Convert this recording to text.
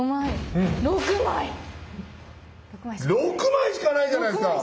６枚しかないじゃないですか！